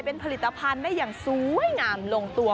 เป็นผลิตภัณฑ์ได้อย่างสวยงามลงตัว